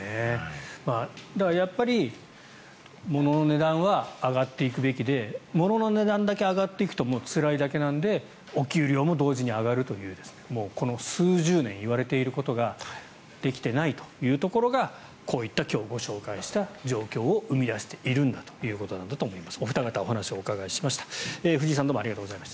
やっぱり物の値段は上がっていくべきで物の値段だけ上がっていくとつらいだけなのでお給料も同時に上がるというこの数十年言われていることができていないというところがこういった今日ご紹介した状況を生み出しているんだということなんだと思います。